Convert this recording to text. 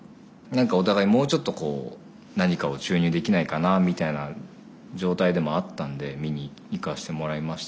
何かお互いもうちょっとこう何かを注入できないかなみたいな状態でもあったんで見に行かせてもらいましたね。